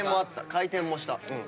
回転もした。